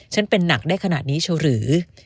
ฉันเป็นหนักได้ขนาดนี้เฉลือ